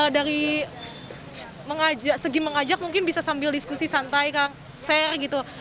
dari segi mengajak mungkin bisa sambil diskusi santai share gitu